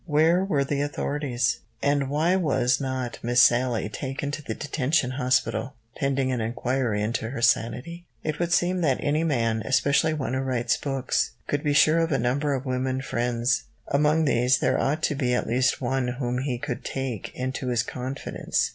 Where were the authorities, and why was not "Miss Sallie" taken to the detention hospital, pending an inquiry into her sanity? It would seem that any man, especially one who writes books, could be sure of a number of women friends. Among these there ought to be at least one whom he could take into his confidence.